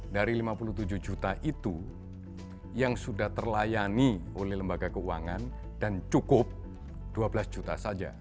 dari lima puluh tujuh juta itu yang sudah terlayani oleh lembaga keuangan dan cukup dua belas juta saja